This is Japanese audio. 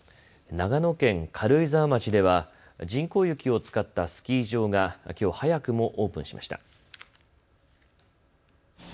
長野県軽井沢町では人工雪を使ったスキー場がきょう早くもオープンしました。